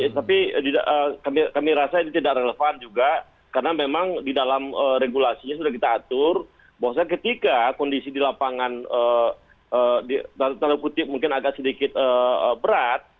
tapi kami rasa ini tidak relevan juga karena memang di dalam regulasinya sudah kita atur bahwasanya ketika kondisi di lapangan kutip mungkin agak sedikit berat